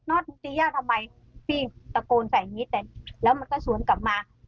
มึงตีย่าทำไมพี่ตะโกนใส่อย่างงี้แต่แล้วมันก็สวนกลับมา